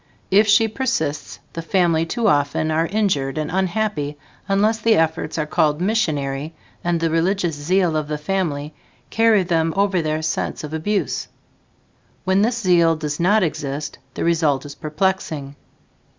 If she persists, the family too often are injured and unhappy unless the efforts are called missionary and the religious zeal of the family carry them over their sense of abuse. When this zeal does not exist, the result is perplexing.